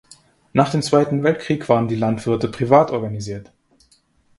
Nach dem Zweiten Weltkrieg waren die Landwirte privat organisiert.